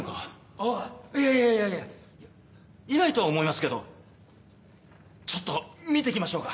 あっいやいやいやいないと思いますけどちょっと見て来ましょうか？